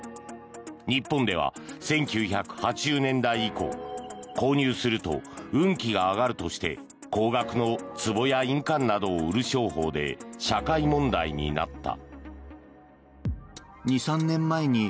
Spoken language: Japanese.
日本では１９８０年代以降購入すると運気が上がるとして高額のつぼや印鑑などを売る商法で、社会問題になった。